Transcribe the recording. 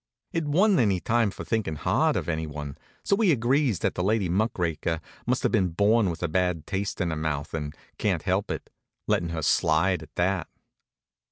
It wa'n't any time for thinkin' hard of anyone, so we agrees that the lady muck raker must have been born with a bad taste in her mouth and can't help it, lettin' her slide at that.